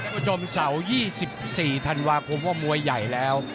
คุณผู้ชมเสาร์๒๔ธันวาคมว่ามวยใหญ่แล้ว